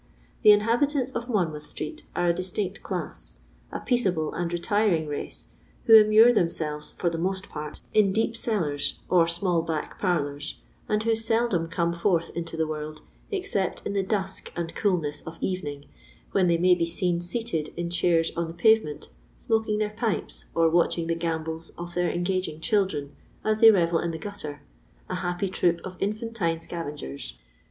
" The inhabitants of Monmouth street are a distinct class; a peaceable and retiring race^ who immure themselves for the most part in deep cellars, or small back parlours, and who seldom come forth into the world, except in the dusk and coolness of evening, when they may be tesn seated, in chairs on the pavement, smoking their pipes, or watching the gambols of their engaging children as they revel in the gutter, a happy troop of infantine scavengers.